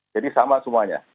jadi sama semuanya